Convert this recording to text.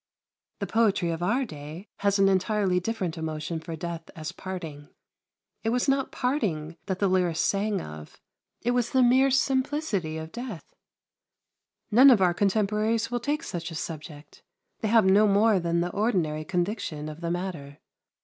The poetry of our day has an entirely different emotion for death as parting. It was not parting that the lyrists sang of; it was the mere simplicity of death. None of our contemporaries will take such a subject; they have no more than the ordinary conviction of the matter.